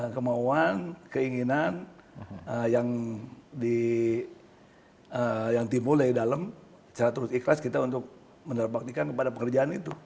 kemauan keinginan yang timbul dari dalam secara terus ikhlas kita untuk menerbaktikan kepada pekerjaan itu